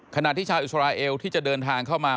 ขณะที่ชาวอิสราเอลที่จะเดินทางเข้ามา